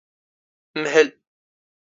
ⵎⵀⵍ.